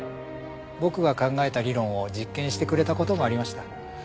僕が考えた理論を実験してくれた事もありました。